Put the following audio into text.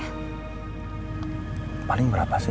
tapi kalau berat gak apa apa ya